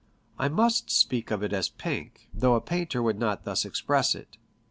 I must speak of it as pink, though a painter would not thus express it.